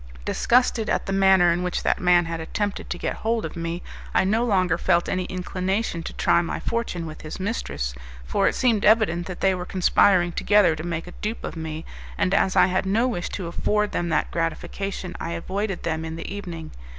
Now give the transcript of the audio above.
Disgusted at the manner in which that man had attempted to get hold of me, I no longer felt any inclination to try my fortune with his mistress, for it seemed evident that they were conspiring together to make a dupe of me, and as I had no wish to afford them that gratification I avoided them in the evening.